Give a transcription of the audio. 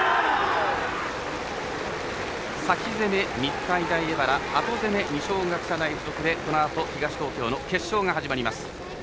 先攻め、日体大荏原後攻め、二松学舎大付属でこのあと東東京の決勝が始まります。